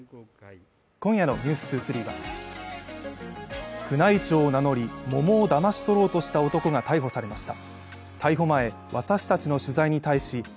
今夜の「ｎｅｗｓ２３」は宮内庁を名乗り桃をだまし取ろうとした男が逮捕されました